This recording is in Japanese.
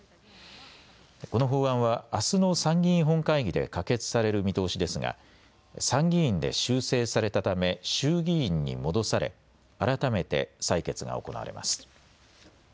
この法案はあすの参議院本会議で可決される見通しですが参議院で修正されたため衆議院に戻され改めて採決が行われます。